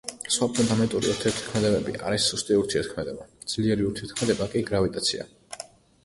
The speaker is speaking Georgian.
სხვა ფუნდამენტური ურთიერთქმედებები არის სუსტი ურთიერთქმედება, ძლიერი ურთიერთქმედება და გრავიტაცია.